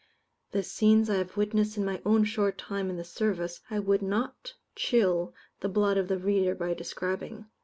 the scenes I have witnessed in my own short time in the service, I would not chill the blood of the reader by describing.